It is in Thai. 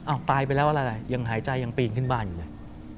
ตายไปแล้วอะไรล่ะยังหายใจยังปีนขึ้นบ้านอยู่เลย